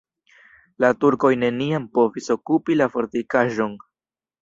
La turkoj neniam povis okupi la fortikaĵon.